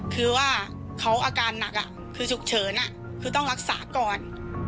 คือว่าเขาอาการหนักคือฉุกเฉินคือต้องรักษาก่อน